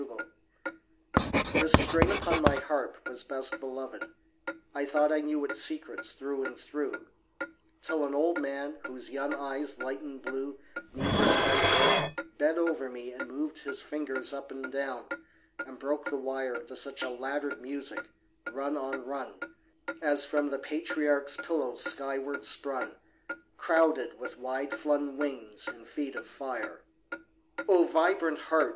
HARMONICS This string upon my harp was best beloved: I thought I knew its secrets through and through; Till an old man, whose young eyes lightened blue 'Neath his white hair, bent over me and moved His fingers up and down, and broke the wire To such a laddered music, rung on rung, As from the patriarch's pillow skyward sprung Crowded with wide flung wings and feet of fire. O vibrant heart!